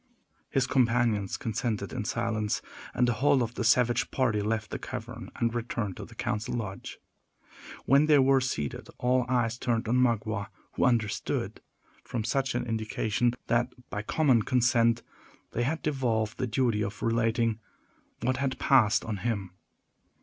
His companions consented in silence, and the whole of the savage party left the cavern and returned to the council lodge. When they were seated, all eyes turned on Magua, who understood, from such an indication, that, by common consent, they had devolved the duty of relating what had passed on him.